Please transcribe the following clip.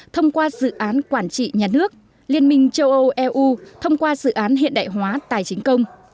thông qua dự án quản trị nhà nước liên minh châu âu eu thông qua dự án hiện đại hóa tài chính công